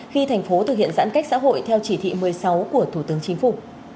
khi thành phố thực hiện giãn cách xã hội theo chỉ thị một mươi sáu của thủ tướng chính phủ